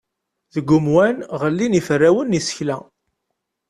Deg umwan, ɣellin yiferrawen n yisekla.